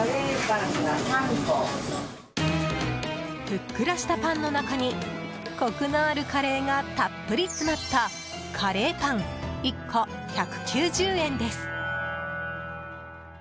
ふっくらしたパンの中にコクのあるカレーがたっぷり詰まったカレーパン１個１９０円です。